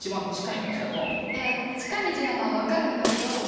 いや近道なのは分かるんだけど。